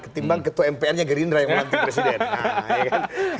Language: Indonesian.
ketimbang ketua mpr nya gerindra yang melantik presiden